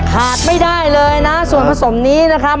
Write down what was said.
ขาดไม่ได้เลยนะส่วนผสมนี้นะครับ